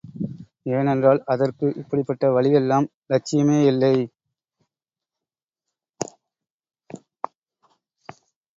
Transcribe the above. ஏனென்றால், அதற்கு இப்படிப்பட்ட வழியெல்லாம் லட்சியமேயில்லை.